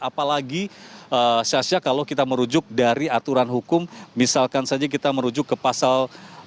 apalagi syasha kalau kita merujuk dari aturan hukum misalkan saja kita merujuk ke pasal